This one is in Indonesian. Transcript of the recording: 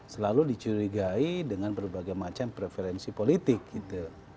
selalu dicurigai dengan berbagai macam preferensi politik gitu